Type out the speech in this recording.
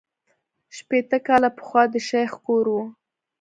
شپېته کاله پخوا د شیخ کور وو.